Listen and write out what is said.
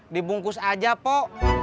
dibungkus aja pak